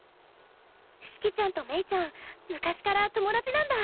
四季ちゃんとメイちゃん昔から友達なんだ？